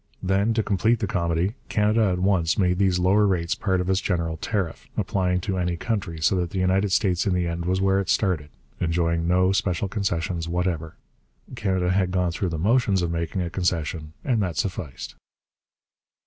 Then, to complete the comedy, Canada at once made these lower rates part of its general tariff, applying to any country, so that the United States in the end was where it started enjoying no special concessions whatever. Canada had gone through the motions of making a concession, and that sufficed.